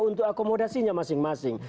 untuk akomodasinya masing masing